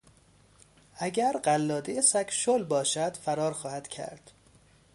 اگر قلاده سگ شل باشد فرار خواهد کرد.